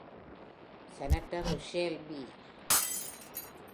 Senator Russell B.